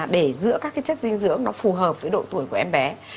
để giữa các cái chất dinh dưỡng nó phù hợp với độ tuổi của em bé